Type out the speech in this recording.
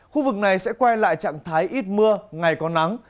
khu vực này sẽ quay lại trạng thái ít mưa ngày có nắng